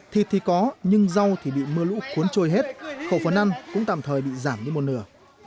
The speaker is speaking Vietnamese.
thịt thì có nhưng rau thì bị mưa lũ cuốn trôi hết khẩu phần ăn cũng tạm thời bị giảm đi một nửa